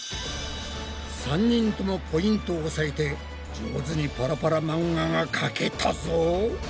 ３人ともポイントをおさえて上手にパラパラ漫画がかけたぞ。